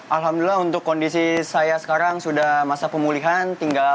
alhamdulillah untuk kondisi saya sekarang sudah masa pemulihan